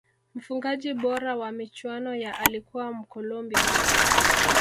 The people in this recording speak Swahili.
mfungaji bora wa michuano ya alikuwa mkolombia